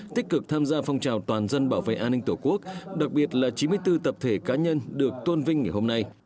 tích cực tham gia phong trào toàn dân bảo vệ an ninh tổ quốc đặc biệt là chín mươi bốn tập thể cá nhân được tôn vinh ngày hôm nay